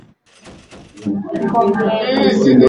Ndege wanapaa.